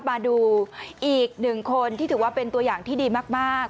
มาดูอีกหนึ่งคนที่ถือว่าเป็นตัวอย่างที่ดีมาก